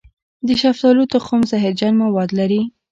د شفتالو تخم زهرجن مواد لري.